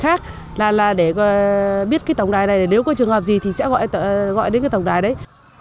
khác là để biết cái tổng đài này nếu có trường hợp gì thì sẽ gọi đến cái tổng đài đấy